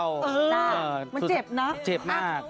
เออมันเจ็บนะเจ็บมาก